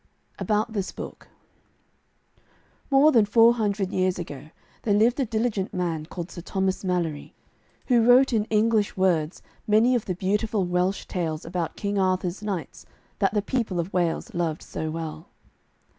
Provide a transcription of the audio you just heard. ABOUT THIS BOOK More than four hundred years ago there lived a diligent man called Sir Thomas Malory, who wrote in English words many of the beautiful Welsh tales about King Arthur's Knights, that the people of Wales loved so well.